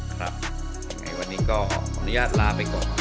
ครับยังไงวันนี้ก็เอาอนุญาตลาไปก่อน